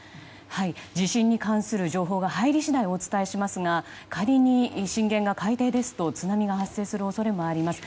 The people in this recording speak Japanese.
地震に関する情報が入り次第お伝えしますが仮に震源が海底ですと津波が発生する恐れもあります。